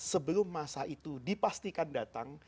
sebelum masa itu dipastikan datang